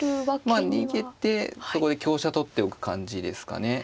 逃げてそこで香車取っておく感じですかね。